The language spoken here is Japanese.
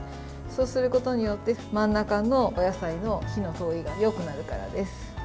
そうすることによって真ん中のお野菜の火の通りがよくなるからです。